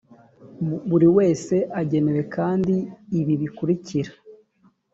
buri wese agenerwa kandi ibi bikurikira